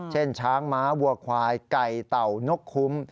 เช่นช้างม้าวัวควายไก่เต่านกคุ้ม